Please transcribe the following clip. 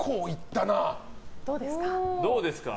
どうですか？